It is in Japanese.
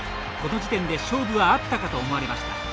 この時点で勝負はあったかと思われました。